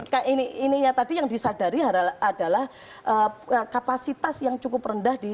karena ini tadi yang disadari adalah kapasitas yang cukup rendah